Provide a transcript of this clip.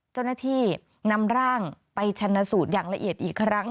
เจ้าหน้าที่นำร่างไปชันสูตรอย่างละเอียดอีกครั้ง